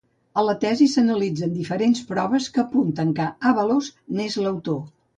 A la tesi s'analitzen diferents proves que apunten que Àvalos n'és l'autor.